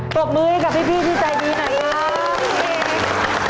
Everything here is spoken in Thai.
ปรบมือให้กับพี่ที่ใจดีหน่อยครับ